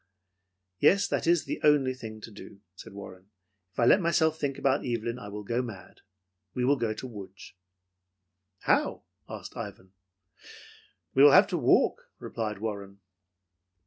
"Yes, that is the only thing to do," said Warren. "If I let myself think about Evelyn, I will go mad. We will go to Lodz." "How?" asked Ivan. "We will have to walk," replied Warren.